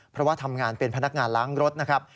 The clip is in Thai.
เพราะว่าทำงานเป็นพนักงานล้างรถนะครับ